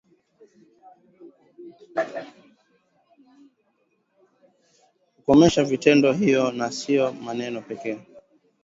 kukomesha vitendo hivyo na sio maneno pekee